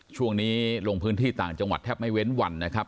ช่วงนี้ลงพื้นที่ต่างจังหวัดแทบไม่เว้นวันนะครับ